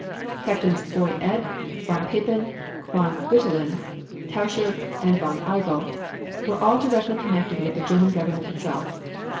Captains Boy Ed, von Papen, von Rintelen, Tauscher, and von Igel were all directly connected with the German Government itself.